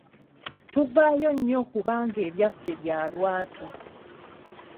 Tuvaayo nnyo kubanga ebyaffe bya lwatu.